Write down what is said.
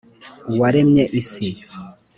uwaremye isi